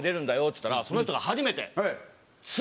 っつったらその人が初めて。